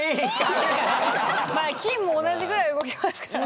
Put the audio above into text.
まあ金も同じぐらい動きますからね。